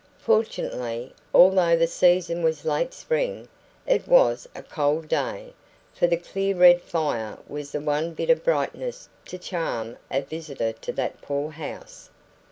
Fortunately, although the season was late spring, it was a cold day; for the clear red fire was the one bit of brightness to charm a visitor to that poor house.